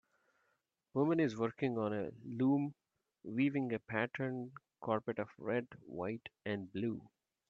Woman is working on a loom weaving a patterned carpet of red, white, and blue.